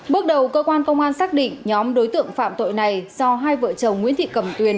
bước đầu cơ quan công an xác định nhóm đối tượng phạm tội này do hai vợ chồng nguyễn thị cầm tuyền